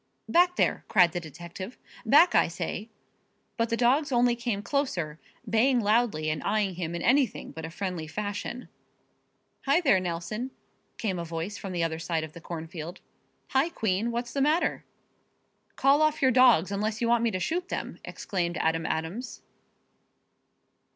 "Back there!" cried the detective. "Back, I say!" But the dogs only came closer, baying loudly and eying him in anything but a friendly fashion. "Hi, there, Nelson!" came a voice from the other side of the cornfield. "Hi, Queen, what's the matter?" "Call off your dogs, unless you want me to shoot them!" exclaimed Adam Adams.